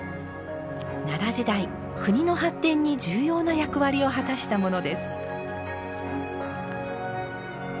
奈良時代国の発展に重要な役割を果たしたものです。